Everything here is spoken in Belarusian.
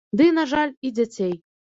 Ды, на жаль, і дзяцей.